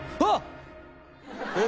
えっ？